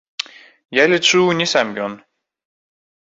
Я лічу, не сам ён.